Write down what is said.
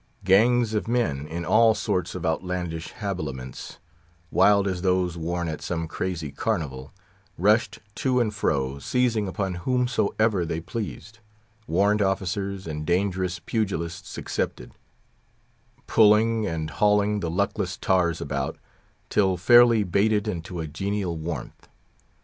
Gangs of men, in all sorts of outlandish habiliments, wild as those worn at some crazy carnival, rushed to and fro, seizing upon whomsoever they pleased—warrant officers and dangerous pugilists excepted—pulling and hauling the luckless tars about, till fairly baited into a genial warmth.